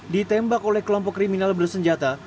ditembak oleh kelompok kriminal bersenjata